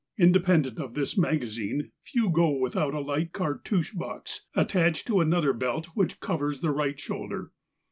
Independent of this magazin^ few go without a light cartouche box attached to another belt which covers the right shoulder.